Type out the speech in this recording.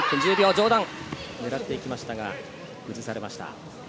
上段狙っていきましたが崩されました。